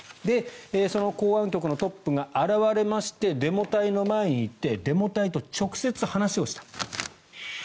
その公安局のトップが現れましてデモ隊の前に行ってデモ隊と直接話をしたと。